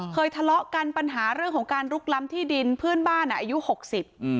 ทะเลาะกันปัญหาเรื่องของการลุกล้ำที่ดินเพื่อนบ้านอ่ะอายุหกสิบอืม